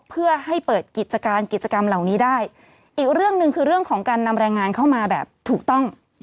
เพื่อให้เปิดกิจการกิจกรรมเหล่านี้ได้อีกเรื่องหนึ่งคือเรื่องของการนำแรงงานเข้ามาแบบถูกต้อง